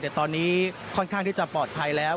แต่ตอนนี้ค่อนข้างที่จะปลอดภัยแล้ว